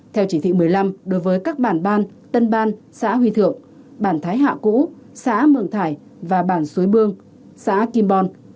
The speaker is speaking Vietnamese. theo chỉ thị một mươi năm đối với các bản ban tân ban xã huy thượng bản thái hạ cũ xã mường thải và bản suối bương xã kim bon